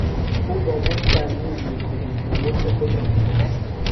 او با مشت بر میز میکوبید و مزد خود را میخواست.